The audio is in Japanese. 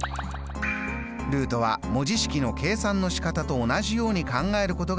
ルートは文字式の計算のしかたと同じように考えることができます。